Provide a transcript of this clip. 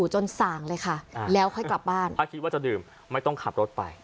จะได้ไม่ต้องขับรถ